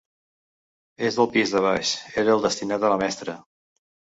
El del pis de baix era el destinat a la mestra.